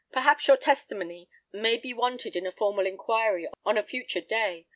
Perhaps your testimony may be wanted in a more formal inquiry on a future day.